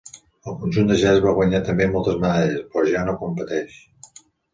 El conjunt de jazz va guanyar també moltes medalles, però ja no competeix.